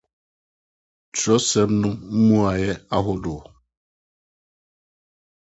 Bible no Mmuae Ahorow